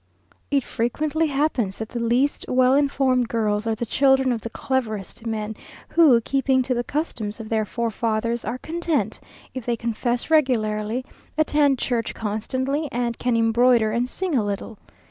It frequently happens that the least well informed girls are the children of the cleverest men, who, keeping to the customs of their forefathers, are content if they confess regularly, attend church constantly, and can embroider and sing a little.